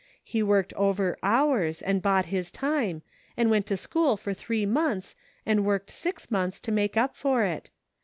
He worked over hours and bought his time, and went to school for three months, and worked six months to make up for it.